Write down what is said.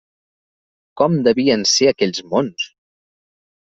Com devien ser aquells mons?